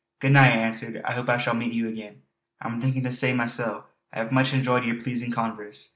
"Good night" I answered, "I hope I shall meet you again." "I'm thinkin' the same masel'. I hae much enjoyed yer pleasin' converse.